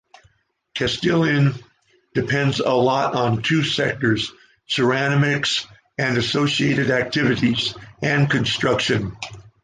Castellón depends a lot on two sectors: ceramics and associated activities, and construction.